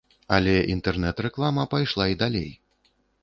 Але інтэрнэт-рэклама пайшла і далей.